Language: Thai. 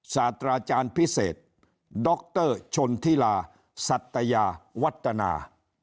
สาธาราชาญพิเศษดรชนธิลาสัตยาวัตนา